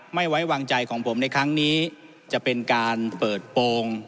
ไม่ไว้วางใจของผมในครั้งนี้จะเป็นการเปิดโปรง